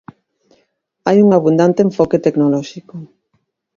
Hai un abundante enfoque tecnolóxico.